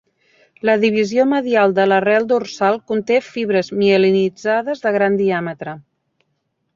La divisió medial de l'arrel dorsal conté fibres mielinitzades de gran diàmetre.